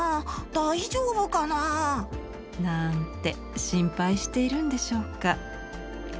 大丈夫かなぁ」。なんて心配しているんでしょうか。